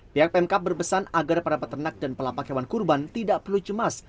pihak pemkap berpesan agar para peternak dan pelapak hewan kurban tidak perlu cemas